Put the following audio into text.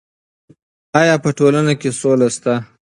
ایا په ټولنه کې سوله شته؟